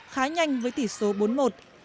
khá nhanh với tỷ số bốn một